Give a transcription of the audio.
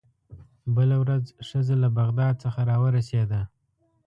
بله ورځ ښځه له بغداد څخه راورسېده.